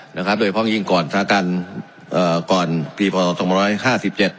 นะครับโดยเพราะยิ่งก่อนสถานการณ์เอ่อก่อนปีพศสองร้อยห้าสิบเจ็ด